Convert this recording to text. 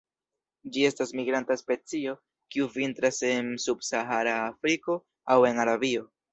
Ĝi estas migranta specio, kiu vintras en subsahara Afriko aŭ en Arabio.